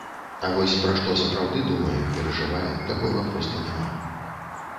А вось пра што сапраўды думае, перажывае, такога проста няма.